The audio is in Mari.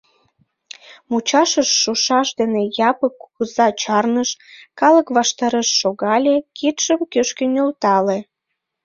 Мучашыш шушаш дене Япык кугыза чарныш, калык ваштареш шогале, кидшым кӱшкӧ нӧлтале.